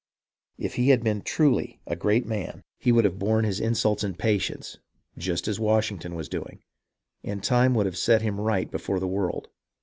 If he had been a truly great man, he would have borne his ARNOLD AND ANDRE 293 insults in patience, just as Washington was doing ; and time would have set him right before the world.